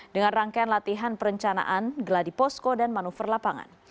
dengan rangkaian latihan perencanaan geladi posko dan manuver lapangan